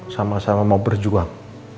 sama sama mau berjuang